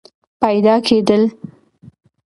پیدا کېدل